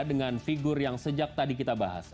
dengan figur yang sejak tadi kita bahas